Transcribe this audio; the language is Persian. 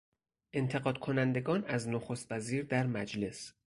انتقاد کنندگان از نخستوزیر در مجلس